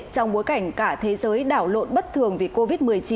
trong bối cảnh cả thế giới đảo lộn bất thường vì covid một mươi chín